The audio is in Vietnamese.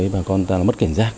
bà con ta mất kiểm giác